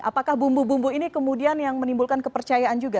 apakah bumbu bumbu ini kemudian yang menimbulkan kepercayaan juga